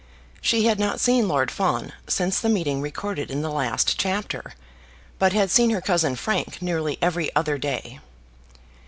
She had not seen Lord Fawn since the meeting recorded in the last chapter, but had seen her cousin Frank nearly every other day.